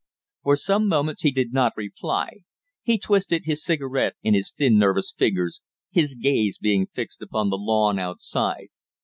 For some moments he did not reply. He twisted his cigarette in his thin, nervous fingers, his gaze being fixed upon the lawn outside.